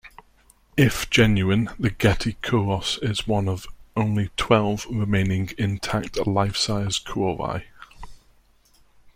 If genuine, the Getty kouros is one of only twelve remaining intact lifesize kouroi.